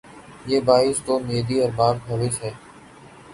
یہ باعث تومیدی ارباب ہوس ھے